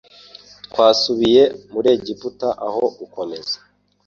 Twasubiye muri Egiputa aho gukomeza